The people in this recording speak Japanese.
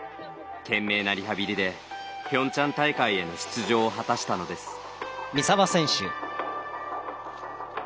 懸命なリハビリでピョンチャン大会への出場を果たしたのです。